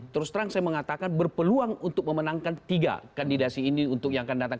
terus terang saya mengatakan berpeluang untuk memenangkan tiga kandidasi ini untuk yang akan datang